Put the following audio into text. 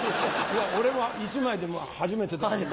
いや俺は１枚でも初めてだよ